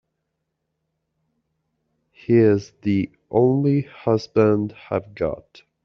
He's the only husband I've got.